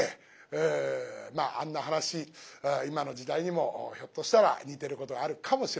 まああんな噺今の時代にもひょっとしたら似てることがあるかもしれませんね。